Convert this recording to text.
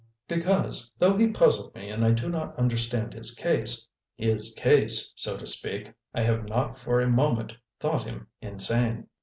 "Because, though he puzzled me and I do not understand his case his case, so to speak, I have not for a moment thought him insane."